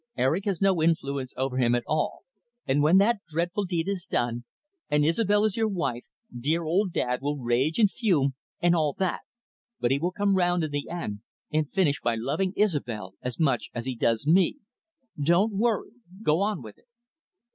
Eric has no influence over him at all. And when the dreadful deed is done, and Isobel is your wife, dear old dad will rage and fume, and all that. But he will come round in the end, and finish by loving Isobel as much as he does me. Don't worry. Go on with it."